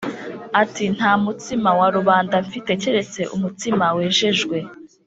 ati “Nta mutsima wa rubanda mfite keretse umutsima wejejwe”